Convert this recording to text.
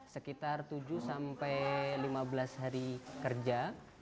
sekitar tujuh sampai lima belas hari kerja